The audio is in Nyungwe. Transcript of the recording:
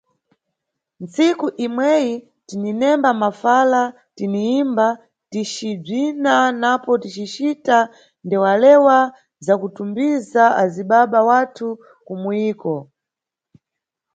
Ntsiku imweyi tininemba mafala, tiniyimba, ticibzina napo ticicita ndewalewa za kutumbiza azibaba wathu kumuyiko.